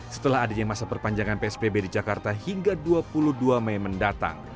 setelah adanya masa perpanjangan psbb di jakarta hingga dua puluh dua mei mendatang